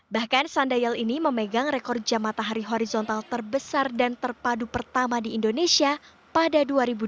bahkan sundial ini memegang rekor jam matahari horizontal terbesar dan terpadu pertama di indonesia pada dua ribu dua puluh